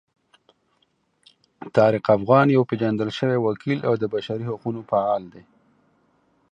طارق افغان یو پیژندل شوی وکیل او د بشري حقونو فعال دی.